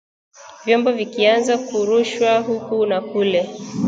Vyombo vikaanza kurushwa huku na kule